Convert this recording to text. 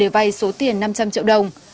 vậy số tiền năm trăm linh triệu đồng